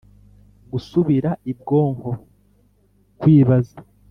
gusubira ibwonko: kwibaza